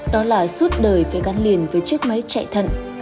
đó là suốt đời phải gắn liền với chiếc máy chạy thận